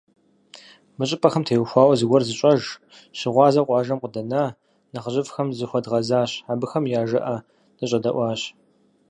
Мы щӏыпӏэхэм теухуауэ зыгуэр зыщӏэж, щыгъуазэу къуажэм къыдэна нэхъыжьыфӏхэм захуэдгъэзащ, абыхэм я жыӏэ дыщӏэдэӏуащ.